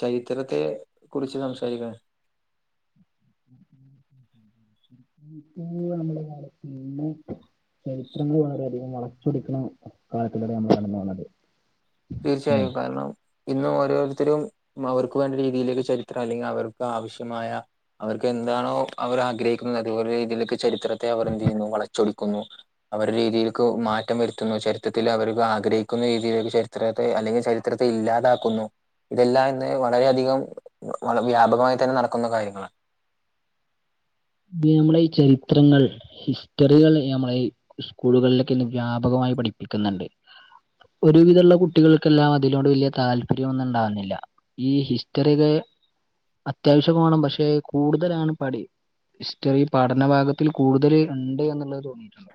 ചരിത്രത്തെ കുറിച്ച് സംസാരിക്കണ ഇന്ന് നമ്മള് മാറും പിന്നെ ചരിത്രങ്ങൾ വളരെയധികം വളച്ചൊടിക്ക്ണ കാലത്തിലൂടെയാ നമ്മള് കടന്ന് വന്നത് തീർച്ചയായും കാരണം ഇന്ന് ഓരോരുത്തരും അവർക്ക് വേണ്ട രീതിയിലേക്ക് ചരിത്രം അല്ലെങ്കി അവർക്ക് ആവശ്യമായ അവർക്ക് എന്താണോ അവർ ആഗ്രഹിക്കുന്നത് അതുപോല രീതിയിലൊക്കെ ചരിത്രത്തെ അവർ എന്ത് ചെയ്യുന്നു വളച്ചൊടിക്കുന്നു അവരുടെ രീതിയിലേക്ക് മാറ്റം വരുത്തുന്നു ചരിത്രത്തില് അവർക്ക് ആഗ്രഹിക്കുന്ന രീതിയിലേ വിഷയം ത്രത്തെ അല്ലെങ്കി ചരിത്രത്തെ ഇല്ലാതാക്കുന്നു ഇതെല്ലാം ഇന്ന് വളരെയധികം വള വ്യാപകമായി തന്നെ നടക്കുന്ന കാര്യങ്ങളാ ഈ നമ്മുടെ ഈ ചരിത്രങ്ങൾ ഹിസ്റ്ററികളെ നമ്മളെ സ്കൂളുകളിലൊക്കെ ഇന്ന് വ്യാപകമായി പഠിപ്പിക്കുന്നുണ്ട് ഒരുവിധ ഉള്ള കുട്ടികൾക്കെല്ലാം അതിനോട് വലിയ താല്പര്യം ഒന്നും ഉണ്ടാവുന്നില്ല ഈ ഹിസ്റ്ററിക്കെ അത്യാവശ്യം വേണം പക്ഷെ കൂടുതലാണ് പഠി ഹിസ്റ്ററി പഠനഭാഗത്തിൽ കൂടുതല് ഉണ്ട് എന്നുള്ളത് തോന്നിയിട്ടുണ്ടോ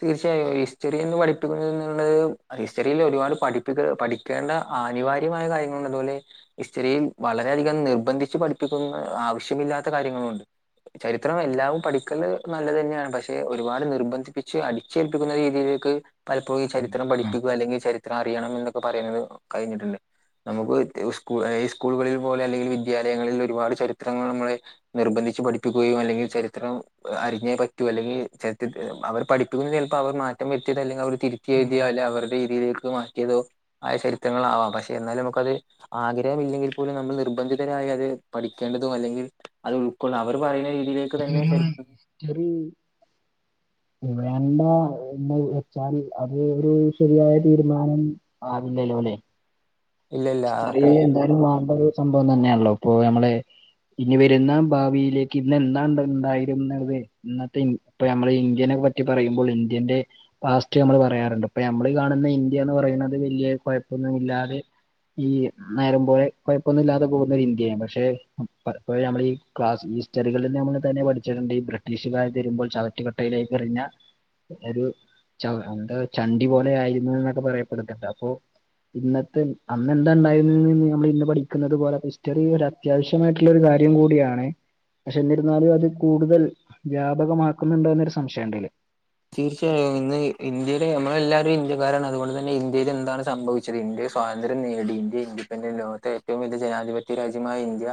തീർച്ചയായും ഹിസ്റ്ററി എന്ന് പഠിപ്പിക്കുന്നള്ളത് ഹിസ്റ്ററിൽ ഒരുപാട് പഠിപ്പികൾ പഠി കേണ്ട ആനിവാര്യമായ കാര്യങ്ങള് ഉള്ളോല് ഹിസ്റ്ററിയിൽ വളരെയധികം നിർബന്ധിച്ച് പഠിപ്പിക്കുന്ന ആവശ്യമില്ലാത്ത കാര്യങ്ങളും ഉണ്ട് ചരിത്രം എല്ലാവും പഠിക്കല് നല്ലത്തന്നെയാണ് പക്ഷെ ഒരുപാട് നിർബന് ന്ധിച്ച് അടിച്ചേൽപ്പിക്കുന്ന രീതിയിലേക്ക് പലപ്പോഴും ഈ ചരിത്രം ഉം പഠിപ്പിക്കുക അല്ലെങ്കി ചരി അറിയണം എന്നൊക്കെ പറയുന്നത് കഴിഞ്ഞിട്ടുണ്ട് നമുക്ക് സ്കൂ ഈ സ്കൂളുകളിൽ പോയാല് വിദ്യാലയങ്ങളിൽ ഒരുപാട് ചരിത്രങ്ങൾ നമ്മളെ നിർബന്ധിച്ച് പഠിപ്പിക്കുകയും അല്ലെങ്കി ചരിത്രം അരിഞ്ഞേ പറ്റു അല്ലെങ്കി ചരിത്രത്തി അവ പഠിപ്പിക്കൾ ചിലപ്പോ അവർ മാറ്റം വരുത്തിയത് അല്ലെങ്കിൽ അവർ തിരുത്തി ഉം എഴുതിയ അല്ല അവരുടെ രീതിയിലേക്ക് മാറ്റ് റ്റിയതോ ആയ ചരിത്രങ്ങള് ആവാം പക്ഷെ എന്നാലും നമുക്കത് ആഗ്രഹം ഇല്ലെങ്കിൽ പോലും നമ്മൾ നിർബന്ധിതരായി അത് പഠിക്കേണ്ടതും അല്ലെങ്കിൽ അത് ഉൾക്കൊള്ള അവര് പറയ്ണേ [unintelligible] [unintelligible] വെച്ചാൽ അത് ഒരു ശരിയായ തീരുമാനം ആവില്ലല്ലോലേ ഇല്ലല്ല ചെറിയ അത്ര എന്തായാലും മാറേണ്ട ഒരു സംഭവം തന്നെയാണല്ലോ ഇപ്പൊ നമ്മളെ ഇനി വരുന്ന ഭാവിയിലേക്ക് ഇന്ന് എന്താ ഉണ്ടാ ഉണ്ടായിരുന്നതേ ഇന്നത്തെ ഇപ്പൊ നമ്മള് ഇന്ത്യനെ പറ്റി പറയുമ്പോൾ ഇന്ത്യന്റെ പാസ്റ്റ് നമ്മള് പറയാറുണ്ട് ഇപ്പൊ നമ്മള് കാണുന്ന ഇന്ത്യ എന്ന് പറയുന്നത് വല്യാ കുഴപ്പൊന്നുമില്ലാതെ ഈ നേരം പോലെ കുഴപ്പൊന്നും ഇല്ലാതെ പോകുന്ന ഒരു ഇന്ത്യാണ് പക്ഷെ പലപ്പോഴും നമ്മളീ ക്ലാസ് ഹിസ്റ്ററികളിൽ നമ്മള് തന്നെ പഠിച്ചിട്ടുണ്ട് ഈ ബ്രിട്ടീഷുകാര് തരുമ്പോൾ ചവറ്റുകുട്ടയിലേക്ക് എറിഞ്ഞ ഒരു ചവ എന്താ ചണ്ടി പോലെ ആയിരുന്നു എന്നൊക്കെ പറയപ്പെടുന്നുണ്ട് അപ്പൊ ഇന്നത്തെ ഇ അന്ന് എന്താ ഉണ്ടായിരുന്ന് എന്ന് നമ്മള് ഇന്ന് പഠിക്കുന്നത് പോലെ ഹിസ്റ്ററി ഒര് അത്യാവശ്യമായിട്ടുള്ള ഒരു കാര്യം കൂടിയാണേ പക്ഷെ എന്നിരുന്നാലും അത് കൂടുതൽ വ്യാപകമാക്കുന്നുണ്ടോ എന്നൊരു സംശയം ഉണ്ട്ലെ തീർച്ചയായും ഇന്ന് ഇന്ത്യയിലെ നമ്മള് എല്ലാവരും ഇന്ത്യക്കാരാണ് അതുകൊണ്ട് തന്നെ ഇന്ത്യയിൽ എന്താണ് സംഭവ വിച്ചത് ഇന്ത്യാ സ്വാതന്ത്ര്യം നേടി ഇന്ത്യ ഇഡിപെൻറൻറ് ലോകത്തെ ഏറ്റവും വലിയ ജനാധിപത്യ രാജ്യമായ ഇന്ത്യ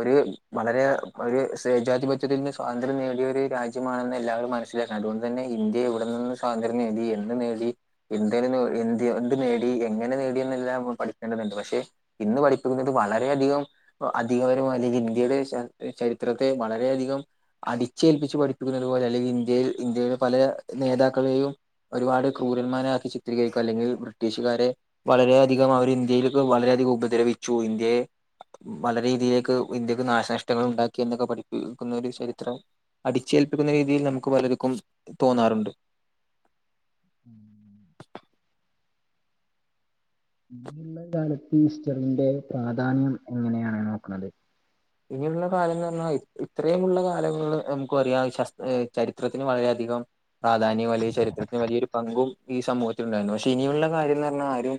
ഒരു വളരെ ഒരു സേജാധിപത്യത്തിൽ നിന്ന് സ്വാതന്ത്ര്യം നേടിയ ഒരു രാജ്യമാണെന്ന് എല്ലാവരും മനസ്സിലാക്കണം അതുകൊണ്ട് തന്നെ ഇന്ത്യ ഇവിടെ നിന്ന് സ്വാതന്ത്രം നേടി എന്ത് നേടി എന്തരനു എന്ത്കൊണ്ട് നേടി എങ്ങനെ നേടിയെന്നെല്ലാം നമ്മൾ പഠിക്കേണ്ടതുണ്ട് പക്ഷെ ഇന്ന് പഠിപ്പിക്കുന്നത് വളരെയധികം അധികപര അല്ലെങ്കിൽ ഇന്ത്യയുടെ ചരിത്രത്തെ വളരെയധികം അടിച്ചേൽപ്പിച്ച് പഠിക്കുന്നത് പോലെ അല്ലെങ്കിൽ ഇന്ത്യയിൽ ഇന്ത്യയുടെ പല നേതാക്കളെയും ഒരുപാട് ക്രൂരന്മാരക്കി ചിത്രീകരിക്കും അല്ലെങ്കിൽ ബ്രിട്ടീഷുകാരെ വളരെയധികം അവർ ഇന്ത്യയിൽക്ക് വളരെയധികം ഉപദ്രവിച്ചു ഇന്ത്യയെ വളരെ രീതിയിലേക്ക് ഇന്ത്യക്ക് നാശനഷ്ടങ്ങൾ ഉണ്ടാക്കി എന്നൊക്കെ പഠിപ്പിക്കുന്ന ഒരു ചരിത്രം അടിച്ചേൽപ്പിക്കുന്ന രീതിയിൽ നമുക്ക് പലര്ക്കും തോന്നാറുണ്ട് ഉം ഉം ഉം ഉള്ളതാണ് ഇപ്പ ഈസ്റ്ററിന്റെ പ്രാധാന്യം എങ്ങനെയാണ് നോക്കണത്. ഇനിയുള്ള കാലം എന്ന് പറഞ്ഞാ ഇത്രയുമുള്ള കാലങ്ങൾ നമുക്ക് പറയാ ശസ് ചരിത്രത്തിന് വളരെയധികം പ്രാധാന്യം അല്ലെ ചരിത്രത്തിന് വലിയൊരു പങ്കും ഈ സമൂഹത്തിൽ ഉണ്ടായിരുന്നു പക്ഷെ ഇനിയുള്ള കാര്യംന്ന് പറഞ്ഞാൽ ആരും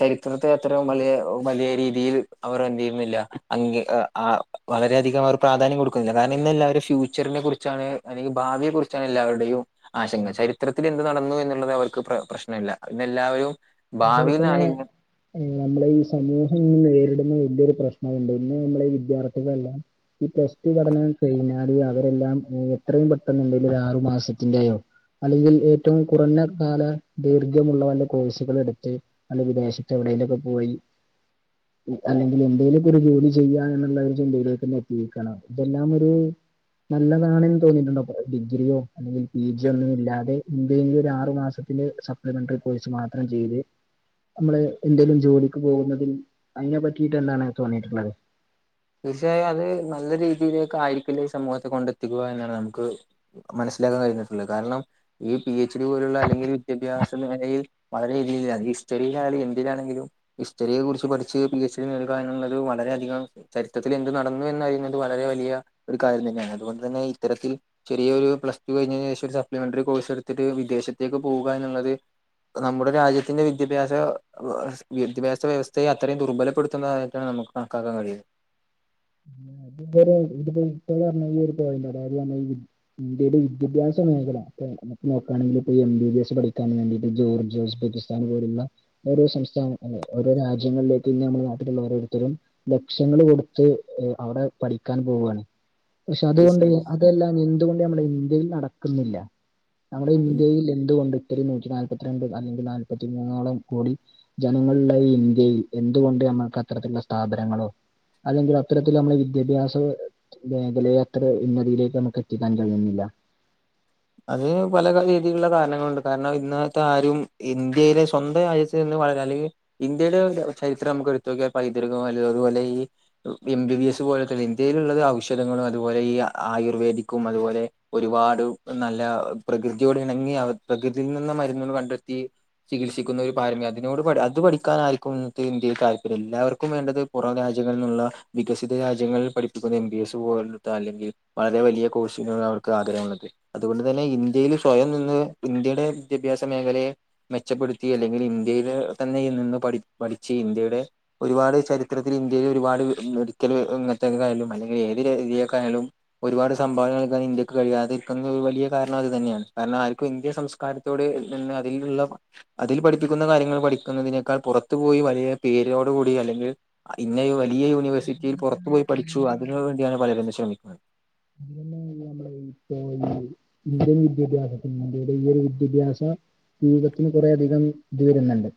ചരിത്രത്തെ അത്ര വലിയ വലിയ രീതിയിൽ അവർ എന്തെയ്യുന്നില്ല അംഗീ ആഹ് വളരെ അധികം അവർ പ്രാധാന്യം കൊടുക്കുന്നില്ല കാരണം ഇന്നെല്ലാവരും ഫ്യൂച്ചറിനെ കുറിച്ചാണ് അല്ലെങ്കിൽ ഭാവിയെ കുറി ചാണ് എല്ലാവരുടെയും ആശങ്ക ചരിത്രത്തിൽ എന്ത് നടന്നു എന്നുള്ളത് അവർക്ക് പ്ര പ്രശ്നമല്ല ഇന്ന് എല്ലാവരും. കൂടെ തന്നെ. ഭാവിയിലാണ് ഇങ്ങ നമ്മളേ ഈ സമൂഹം ഇന്ന് നേരിടുന്ന വല്ല്യൊര് പ്രശ്നമുണ്ട് ഇന്ന് നമ്മളെ ഈ വിദ്യാർത്ഥികളെല്ലാം ഈ പ്ലസ് ടു പഠനം കഴിഞ്ഞാല് അവരെല്ലാം എത്രയും പെട്ടെന്നുണ്ടെല ആറു മാസത്തിന്റെയോ. അല്ലെങ്കിൽ ഏറ്റവും കുറഞ്ഞ കാല ദൈർഘ്യമുള്ള വല്ല കോഴ്സുകൾ എടു ത് വല്ല വിദേശത്തെവിടെയിലൊക്കെ പോയി അല്ലെങ്കിൽ എന്തേലൊക്കൊരു ജോലി ചെയ്യാ എന്നുള്ള ഒരു ചിന്തയിലോട്ട് ഇന്ന് എത്തിയിരിക്കാണ് ഇതെല്ലാം ഒര്. നല്ലതാണെന്ന് തോന്നിയിട്ടുണ്ട അപ്പൊ ഡിഗ്രിയോ അല്ലെങ്കിൽ പി ജിയോ ഒന്നു ഇല്ലാതെ എന്തെങ്കിലും ഒരു ആറു മാസം ഇന്ന് സപ്ലിമെന്ററി കോഴ്സ് മാത്രം ചെയ്ത് നമ്മള് എന്തേലും ജോലിക്ക് പോകുന്നതിൽ അയ്നെ പറ്റീട്ട് എന്താണ് തോന്നീട്ട്ണ്ടാവാ തീർച്ചയായും അത് നല്ല രീതിയിലേക്ക് ആയിരിക്കില്ല ഈ സമൂഹത്തെ കൊണ്ടെത്തിക്കുക എന്നാണ് നമുക്ക് മനസ്സിലാക്കാൻ കഴിഞ്ഞിട്ടുള്ളത് കാരണം ഈ പി എച്ച് ഡി പോലുള്ള അല്ലെങ്കിൽ വിദ്യാഭ്യാസ നിലയിൽ വളരെ ഈ രീതിയിൽ അത് ഹിസ്റ്ററിയിലായാലും എന്തിനാണെങ്കിലും ഹിസ്റ്ററിയെ കുറിച്ച് പഠിച്ച് പി എച്ച് ഡി നേടുക എന്നുള്ളത് വളരെയധികം ചരിത്രത്തിൽ എന്തു നടന്നു എന്നറിയുന്നത് വളരെ വലിയ ഒരു കാര്യം തന്നെയാണ് അതുകൊണ്ടു തന്നെ ഇത്തരത്തിൽ. ചെറിയ ഒരു പ്ലസ് ടു കഴിഞ്ഞതിന് ശേഷം ഒരു സപ്ലിമെന്ററി കോഴ്സ് എടുത്തിട്ട് വിദേശത്തേക്ക് പോവുക എന്നുള്ളത്. അത് നമ്മുടെ രാജ്യത്തിന്റെ വിദ്യാഭ്യാസ വിദ്യാഭ്യാസ വ്യവസ്ഥയെ അത്രയും ദുർബലപ്പെടുത്തുന്നതായിട്ടാണ് നമു കണക്കാക്കാൻ കഴിയു ഇതൊരു [unintelligible] ഇന്ത്യയുടെ വിദ്യാഭ്യാസ മേഖല ലേ അത് നോക്കയാണെങ്കിലിപ്പൊ എം ബി ബിസ് പഠിക്കാൻ വേണ്ടിട്ട് ജോർജിയ ഉസ്ബെക്കിസ്ഥാൻ പോലുള്ള ഓരോ സംസ്ഥാനത്തിന്റെ ഓരോ രാജ്യങ്ങളിലേക്ക് ഇന്ന് നമ്മുടെ നാട്ടിലുള്ള ഓരോരുത്തരും ലക്ഷങ്ങള് കൊട്ത്ത് ഹ് അവ്ടേ പഠിക്കാൻ പോവാണ് പക്ഷെ അതുകൊണ്ട് തീർച്ചയായും അതെല്ലാം കഴിഞ്ഞ് എന്തുകൊണ്ട് നമ്മുടെ ഇന്ത്യയിൽ നടക്കുന്നില്ല നമ്മുടെ ഇന്ത്യയിൽ എന്തുകൊണ്ട് ഒത്തിരി നൂറ്റി നാല്പത്തിരണ്ട് അല്ലെങ്കിൽ നാല്പത്തി മൂന്നോളം കോടി ജനങ്ങളുള്ള ഈ ഇന്ത്യയിൽ എന്തുകൊണ്ട് നമ്മൾക്ക് അത്തരത്തിലുള്ള സ്ഥാപനങ്ങളോ. അല്ലെങ്കിൽ അത്തരത്തിൽ നമ്മള് ഈ വിദ്യാഭ്യാസ മേഖലയത്ര ഉന്നതിയിലേക്ക് നമുക്ക് എത്തിക്കാൻ കഴിയുന്നില്ല അത് പല രീതിയിലുള്ള കാരണങ്ങളുണ്ട് കാരണം ഇന്നത്തെ ആരും ഇന്ത്യയിലെ സ്വന്തം രാജ്യ തിന്ന് വളരാ അല്ലെങ്കി ഇന്ത്യയുടെ ചരിത്രം നമുക്ക് എടുത്തു നോക്കിയാ പൈതൃക [unintelligible] അതുപോലെ ഈ എം ബി ബി എസ് പോലത്തെ ഇന്ത്യയിലുള്ളത് ഔഷധങ്ങളും അതുപോലെ ഈ ആയുർവേദിക്കും അതുപോലെ. ഒരുപാട് നല്ല പ്രകൃതിയോട് ഇണങ്ങി. അവ പ്രകൃതിയിൽ നിന്ന് മരുന്നുകൾ കണ്ടെത്തി ചികിത്സിക്കുന്നൊരു പാരമ്പര്യ അതിനോട് പഠി അത് പഠിക്കാനായിരിക്കും ഇന്നത്തെ ഇന്ത്യയിൽ താല്പര്യം. എല്ലാവർക്കും വേണ്ടത് പുറം രാജ്യങ്ങളിൽന്നുള്ള വികസിത രാജ്യങ്ങളിൽ പഠിപ്പിക്കുന്ന എം ബി എസ് പോലെത്ത അല്ലെങ്കിൽ വളരെ വലിയ കോഴ്സ് നോടാ അവർക്ക് ആഗ്രഹമുള്ളത്. അതുകൊണ്ട് തന്നെ ഇന്ത്യയില് സ്വയം നിന്ന് ഇന്ത്യയുടെ വിദ്യാഭ്യാസ മേഖലയെ മെച്ചപ്പെടുത്തി അല്ലെങ്കിൽ ഇന്ത്യയിലെ തന്നെ നിന്ന് പഠി പഠിച്ച് ഇന്ത്യയുടെ ഒരുപാട് ചരിത്രത്തില് ഇന്ത്യയിൽ ഒരുപാട് മെഡിക്കല് ഇങ്ങൻത്തെ ക്കെക്കെ ആയാലും അല്ലെങ്കി ഏത് രേ രീയൊക്കായാലും ഒരുപാട് സംഭാവന നൽകാൻ ഇന്ത്യക്ക് കഴിയും അത് കന്നുകൾ വലിയ കാരണം അത് തന്നെയാണ്. കാരണം ആർക്കും ഇന്ത്യ സംസ്കാരത്തോട് തന്നെ അതിലുള്ള അതില് പഠിപ്പിക്കുന്ന കാര്യങ്ങൾ പഠിക്കുന്നതിനേക്കാൾ പൊറത്തു പോയി വലിയ പേരോട് കൂടി അല്ലെങ്കി ഇങ്ങനെ വലിയ യൂണിവേഴ്സിറ്റിയിൽ പൊറത്ത് പോയി പഠിച്ചു അതിന് വേണ്ടിയാണ് പലരും ശ്രമിക്കുന്ന ഇതിലന്നെ [unintelligible] ഇന്ത്യൻ വിദ്യാഭ്യാസത്തിന് ഇന്ത്യയുടെ ഈ ഒരു വിദ്യാഭ്യാസം വീഗത്തിന് കുറേ അധികം ത് വരുന്നുണ്ട്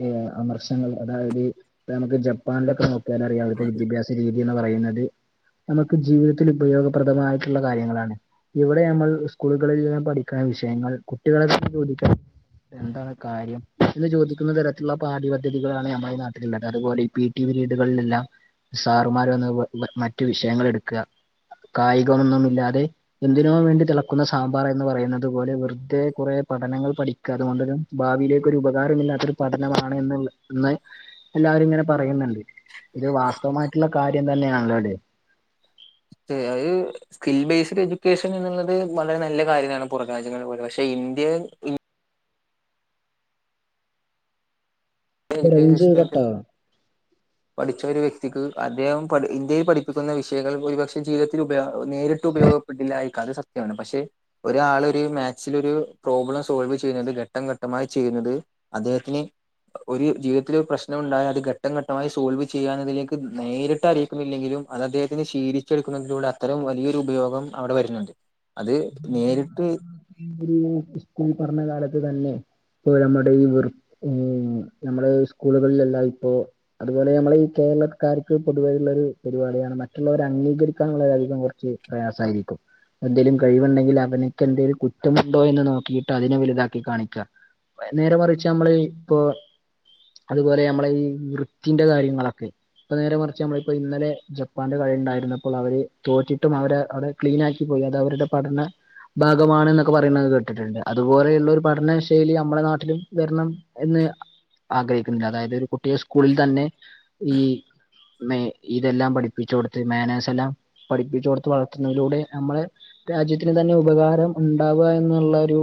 ഈ ഏഹ് അമർശങ്ങൾ അതായത് നമുക്ക് ജപ്പാൻലൊക്കെ നോക്കിയാലറിയാം അവ്ട്ത്തെ വിദ്യാഭ്യാസ രീതിന്നാ പറയുന്നത്. നമുക്ക് ജീവിതത്തില് ഉപയോഗപ്രദമായിട്ടുള്ള കാര്യങ്ങളാണ്. ഇവിടെ യമ്മൾ സ്കൂളുകളിലെല്ലാം പഠിക്കാൻ വിഷയങ്ങൾ കുട്ടികളെ [inaudible] ചോദിക്കാൻ എന്താണ ഹ് കാര്യം എന്ന് ചോദിക്കുന്ന തരത്തിൽള്ള പാഠ്യപദ്ധതികളാണ് നമ്മടെ ഈ നാട്ടില്ള്ളത്. അതുപോലെ ഈ പി ടി രീടുകൾലെല്ലാം സാറുമാര് വന്ന് വ മ മറ്റു വിഷയങ്ങൾ എടുക്കാ. കായികമൊന്നുമില്ലാതെ എന്തിനോ വേണ്ടി തിളക്കുന്ന സാമ്പാറ് എന്ന് പറയുന്നത് പോലെ വെർതേ കൊറേ പഠനങ്ങൾ പഠി ക്കാ. അതുകൊണ്ടൊരു ഭാവിയിലേക്കൊരു ഉപകാരമി ല്ലാത്തൊരു പഠനമാണ് എന്നുള്ള ന്ന് എല്ലാവരും ങ്ങനെ പറയുന്ന്ണ്ട്. ഇത് വാസ്തവമായിട്ട്ള്ള കാര്യം തന്നെയാണ്ല്ലോ ലെ സ്‌ത്തെ അഹ് സ്കിൽ ബെയ്സ്ഡ് എജുക്കേഷൻ എന്ന്ള്ളത് വളരെ നല്ല കാര്യം തന്നേണ് പൊറം രാജ്യങ്ങൾ പോലെ. പക്ഷെ ഇന്ത്യേൽ എജുക്കേഷൻ റേഞ്ച് സിസ്റ്റ കട്ടായോ? [unintelligible] പഠിച്ച ഒര് വ്യക്തിക്ക് അദ്ദേഹം പഠി ഇന്ത്യയിൽ പഠിപ്പിക്കുന്ന വിഷയങ്ങൾ ഭൂരിപക്ഷെ ജീവിതത്തില് ഉപയോഗ നേരിട്ട് ഉപയോഗം പെട്ടില്ലായിക്കാം അത് സത്യാണ്. പക്ഷെ ഒരാളൊര് മാക്സിലൊരു പ്രോബ്ലം സോൾവ് ചെയ്യുന്നത് ഘട്ടം ഘട്ടമായി ചെയ്യുന്നത് അദ്ദേഹത്തിന് ഒര് ജീവിതത്തില് പ്രശ്നമു ണ്ടായാൽ അത് ഘട്ടം ഘട്ടമായി സോൾവ് ചെയ്യാന്നതിലേക്ക് നേരിട്ടറി ക്കുമില്ലെങ്കിലും അത് അദ്ദേഹത്തിന് ശീലിച്ചെടുക്കുന്നതിലൂടെ അത്തരം വലിയൊരു ഉപയോഗം അവടെ വരുന്നുണ്ട്. അത് നേരിട്ട് ഒരു സ്കൂൾ പഠന കാലത്ത് തന്നെ ഇപ്പൊ നമ്മൾടെ ഈ വെറ് ഏഹ് നമ്മടെ സ്കൂളുകളിലെല്ലാം ഇപ്പോ അതുപോലെ നമ്മള് ഈ കേരളക്കാർക്ക് പൊതുവേ ള്ളൊരു പരിപാടിയാണ് മറ്റുള്ളവരെ അംഗീകരിക്കാനുള്ള [unintelligible] യധികം കൊർച്ച് പ്രയാസായിരിക്കും. എന്തേലും കഴിവുണ്ടെങ്കില് അവനിക്ക് എന്തേലും കു കുറ്റമുണ്ടോ എന്ന് നോക്കിയിട്ട് അതിനെ വലുതാക്കി കാണിക്കാ. അഹ് നേരെ മറിച്ച് അമ്മള് ഇപ്പൊ അത്പോലെ നമ്മളെ ഈ വൃത്തിന്റെ കാര്യങ്ങളൊക്കെ ഇപ്പ നേരെ മറിച്ച് അമ്മള് ഇപ്പൊ ഇന്നലെ ജപ്പാന്റെ കളിണ്ടായിരുന്നപ്പോൾ അവര് തോറ്റിട്ടും അവരെ അവ ക്ലീനാക്കി പോയി. അത് അവരുടെ പഠന ഭാഗമാണെന്ന ക്ക്പറയിണെ കേട്ടിട്ട്ണ്ട്. അതുപോലെയുള്ളൊരു പഠന ശൈലി അമ്മളെ നാട്ടിലും വെര്ണം എന്ന് ആഗ്രഹിക്കുന്നില്ല. അതായത് ഒരു കുട്ടിയെ സ്കൂളിൽ തന്നെ ഈ മെ ഇതെല്ലാം പഠിപ്പിച്ചൊട്ത്ത് മോനേഴ് സെല്ലാം പഠിപ്പിച്ചൊട്ത്ത് വളർത്തുന്നതിലൂടെ അമ്മള് രാജ്യത്തിന് തന്നെ ഉപകാരം ഉൺ ഉണ്ടാവുക എന്നുള്ളരു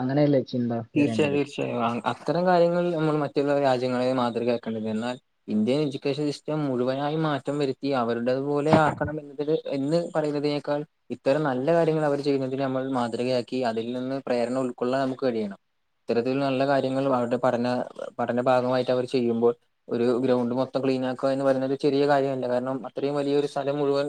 അങ്ങനെയല്ലേ ലക്ഷ്യം വരേണ്ടത്. പക്ഷേ അത്തരം കാര്യങ്ങൾ നമ്മൾ മറ്റുള്ള രാജ്യങ്ങളെ മാതൃകയാക്കേണ്ടത്. എന്നാൽ ഇന്ത്യൻ എഡ്യൂക്കേഷൻ സിസ്റ്റം മുഴുവനായി മാറ്റം വരുത്തി. അവരുടത് പോലെ ആക്കണം എന്നതില് എന്ന് പറയുന്നതിനേക്കാൾ. ഇത്തരം നല്ല കാര്യങ്ങൾ അവർ ചെയ്യുന്നതിന് നമ്മൾ മാതൃകയാക്കി അതിൽ നിന്ന് പ്രേരണം ഉൾക്കൊള്ളാൻ നമുക്ക് കഴിയണം. ഇത്തരത്തിൽ നല്ല കാര്യങ്ങൾ അവരുടെ പഠന പഠന ഭാഗമായിട്ട് അവർ ചെയ്യുമ്പോൾ. ഒരു ഗ്രൗണ്ട് മൊത്തം ക്ലീൻ ആക്കുക എന്ന് പറയുന്നത് ഒരു ചെറിയ കാര്യമല്ല. കാരണം അത്രയും വലിയ ഒരു സ്ഥലം മുഴുവൻ.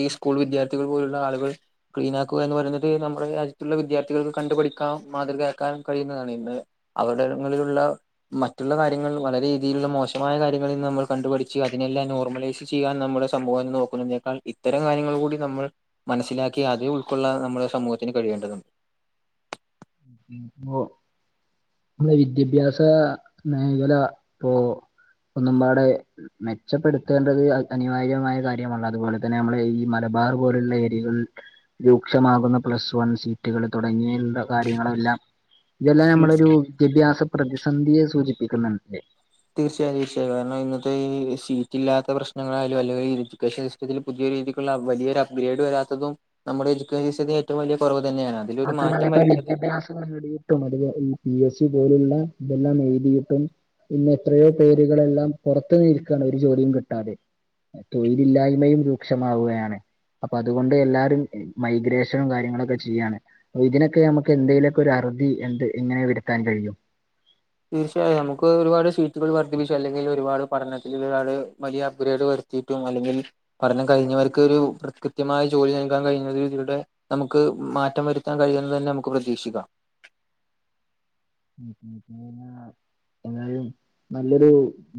ഈ സ്കൂൾ വിദ്യാർത്ഥികൾ പോലുള്ള ആളുകൾ. ക്ലീൻ ആക്കുക എന്ന് പറയുന്നത് നമ്മുടെ രാജ്യത്തുള്ള വിദ്യാർത്ഥികൾക്ക് കണ്ടു പഠിക്കൻ മാതൃകയാക്കാൻ. കഴിയുന്നതാണ് ഇന്ന് അവിടങ്ങളിലുള്ള. മറ്റുള്ള കാര്യങ്ങൾ വളരെയധികം മോശമായ കാര്യങ്ങളിൽന്ന് നമ്മൾ കണ്ടുപഠിച്ച് അതിനെല്ലാം നോർമലൈസ്. ചെയ്യാൻ നമ്മുടെ സമൂഹം നോക്കുന്നതിനേക്കാൾ ഇത്തരം കാര്യങ്ങൾ കൂടി നമ്മൾ. മനസ്സിലാക്കി അത് ഉൾക്കൊള്ളാൻ നമ്മുടെ സമൂഹത്തിന് കഴിയേണ്ടതുണ്ട്. ഓ നമ്മുടെ വിദ്യാഭ്യാസ മേഖല ഇപ്പോ ഒന്നമ്പാടെ. മെച്ചപ്പെടുത്തേണ്ടത് അനിവാര്യമായ കാര്യമാണ്. അതുപോലെ തന്നെ നമ്മെ ഈ മലബാർ പോലുള്ള ഏരിയകളിൽ. രൂക്ഷമാകുന്ന പ്ലസ് വൺ സീറ്റുകൾ തുടങ്ങിയുള്ള. കാര്യങ്ങളെല്ലാം. ഇതെല്ലാം തീർച്ച നമ്മളൊ രു വിദ്യാഭ്യാസ പ്രതിസന്ധിയെ സൂചിപ്പിക്കുന്നുട്? തീർച്ചയായും വിഷയമാ കാരണം ഇന്നത്തെ ഈ സീറ്റ് ഇല്ലാത്ത പ്രശ്നങ്ങളായാലും അല്ലെങ്കിൽ സ്പെഷൽ. ഇതിൽ പുതിയ രീതിക്കുള്ള വലിയൊ അപ്ഗ്രേഡ് വരാത്തതും. നമ്മടെഎഡ്യക്കേഷൻ്റെഏറ്റവും വലിയ കുറവ് തന്നെയാണ്. അതിലൊരു മാത്രമല്ല മാറ്റം ഇപ്പഴത്തെ വരേണ്ടത് വിദ്യാഭ്യാസം. നേടിയിട്ടും അതവാ ഈ പി എസ് സി പോലുള്ള ഇതെല്ലാം എഴുതിയിട്ടും. പിന്നെ എത്രയോ പേരുകളെല്ലാം പുറത്ത് നിൽക്കാണ് ഒരു ജോലിയും കിട്ടാതെ. തൊഴിലില്ലായ്മയും രൂക്ഷമാവുകയാണ്. അപ്പൊ അതുകൊണ്ട് എല്ലാരും മൈഗ്രേഷനും കാര്യങ്ങളൊക്കെ ചെയ്യാണ്. ഇതിനൊക്കെ നമുക്ക് എന്തേലുമൊക്കെ ഒരു അറുതി എന്ത് എങ്ങനെ വരുത്താൻ കഴിയും. തീർച്ചയായും നമുക്ക് ഒരുപാട് സീറ്റുകൾ വർദ്ധിപ്പിച്ചു അല്ലെങ്കിൽ ഒരുപാട് പഠനത്തിൽ ഒരുപാട് വലിയ അപ്ഗ്രേഡ് വരു. ട്ടും അല്ലെങ്കിൽ പഠനം കഴിഞ്ഞവർക്ക് ഒരു കൃത്യമായ ജോലി നൽകാൻ കഴിഞ്ഞ ഇതി വരുടെ. നമുക്ക് മാറ്റം വരുത്താൻ കഴിയുമെന്നു തന്നെ നമുക്ക് പ്രതീക്ഷിക്കാം. [unintelligible] എന്തായാലും നല്ലൊരു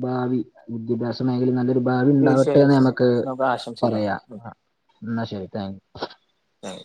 ഭാവി. വിദ്യാഭ്യാസ മേഖലയിയിൽ നല്ലൊരു. ഭാവി ഉണ്ടാവട്ടെന്ന് തീർച്ചയായും നമുക്ക് ആശംസിക്കാം പറയാം. എന്നാ ശരി താങ്ക് യു. ഹായ്!